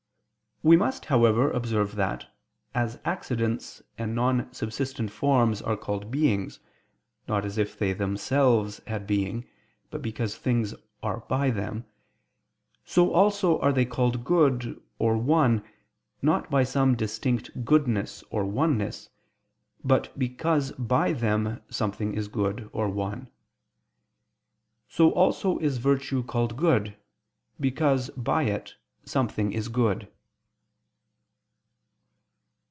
We must, however, observe that, as accidents and non subsistent forms are called beings, not as if they themselves had being, but because things are by them; so also are they called good or one, not by some distinct goodness or oneness, but because by them something is good or one. So also is virtue called good, because by it something is good.